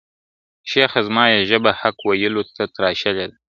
شیخه زما یې ژبه حق ویلو ته تراشلې ده !.